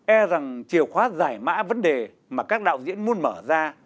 e rằng chiều khóa giải mã vấn đề mà các đạo diễn muốn mở ra